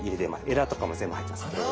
えらとかも全部入ってますので。